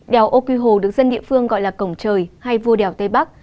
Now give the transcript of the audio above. đèo ô quy hồ được dân địa phương gọi là cổng trời hay vua đèo tây bắc